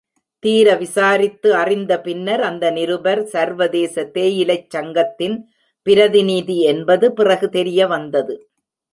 தீர விசாரித்து அறிந்த பின்னர், அந்த நிருபர், சர்வதேச தேயிலைச் சங்கத்தின் பிரதிநிதி என்பது பிறகு தெரியவந்தது.